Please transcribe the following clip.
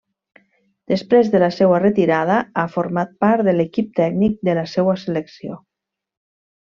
Després de la seua retirada, ha format part de l'equip tècnic de la seua selecció.